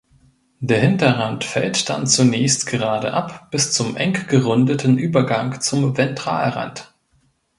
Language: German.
Der Hinterrand fällt dann zunächst gerade ab bis zum eng gerundeten Übergang zum Ventralrand.